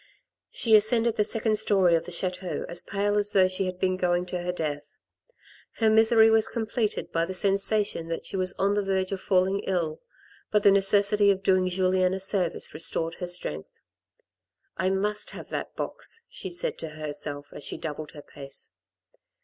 She ascended the second storey of the chateau as pale as though she had been going to her death. Her misery was completed by the sensation that she was on the verge of falling ill, but the necessity of doing Julien a service restored her strength. " I must have that box," she said to herself, as she doubled her pace.